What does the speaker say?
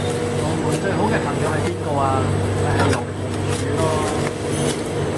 龍門最好既朋友係邊個呀？咪係龍門柱囉